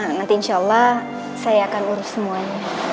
nanti insya allah saya akan urus semuanya